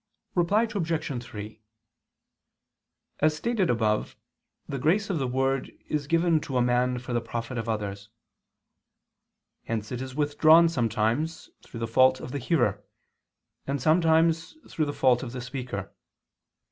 Reply Obj. 3: As stated above, the grace of the word is given to a man for the profit of others. Hence it is withdrawn sometimes through the fault of the hearer, and sometimes through the fault of the speaker.